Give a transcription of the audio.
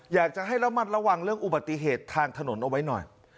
อยากจะให้ระมัดระวังเรื่องอุบัติเหตุทางถนนเอาไว้หน่อย